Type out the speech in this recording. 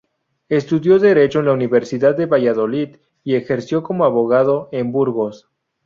Estudió Derecho en la Universidad de Valladolid y ejerció como abogado en Burgos.